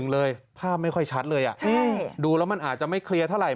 เลยภาพไม่ค่อยชัดเลยดูแล้วมันอาจจะไม่เคลียร์เท่าไห